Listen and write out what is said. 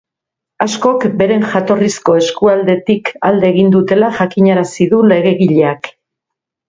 Askok beren jatorrizko eskualdetik alde egin dutela jakinarazi du legegileak.